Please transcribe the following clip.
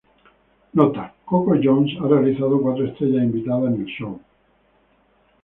Nota: Coco Jones ha realizado cuatro estrellas invitadas en el show.